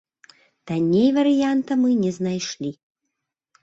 Танней варыянта мы не знайшлі.